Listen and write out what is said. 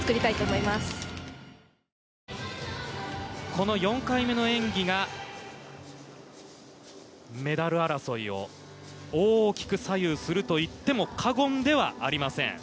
この４回目の演技がメダル争いを大きく左右するといっても過言ではありません。